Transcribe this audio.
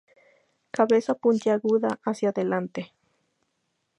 Cabeza puntiaguda hacia adelante.